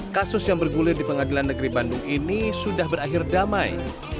kasus yang bergulir di pengadilan negeri bandung ini sudah berakhir damai